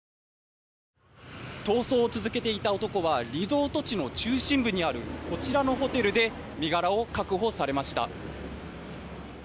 逃走を続けていた男はリゾート地の中心部にあるこちらのホテルで身柄を確保されました。